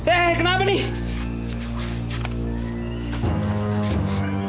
di atas ini kurang lebih kecil